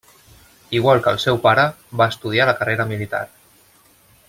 Igual que el seu pare, va estudiar la carrera militar.